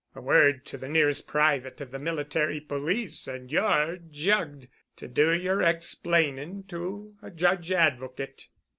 A word to the nearest private of the Military Police and ye're jugged, to do yer explaining to a judge advocate."